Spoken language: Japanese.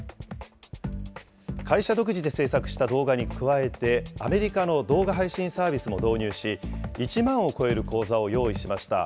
会社独自で制作した動画に加えて、アメリカの動画配信サービスも導入し、１万を超える講座を用意しました。